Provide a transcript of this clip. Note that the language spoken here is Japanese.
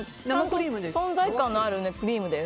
存在感のあるクリームです。